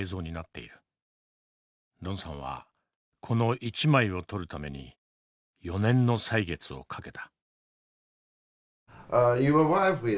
ロンさんはこの１枚を撮るために４年の歳月をかけた。